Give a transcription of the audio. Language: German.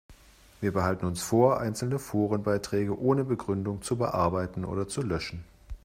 Wir behalten uns vor, einzelne Forenbeiträge ohne Begründung zu bearbeiten oder zu löschen.